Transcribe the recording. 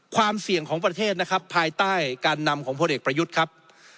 ความเสี่ยงของประเทศนะครับภายใต้การนำของพลเอกประยุทธ์ครับ